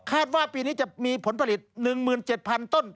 ว่าปีนี้จะมีผลผลิต๑๗๐๐ต้น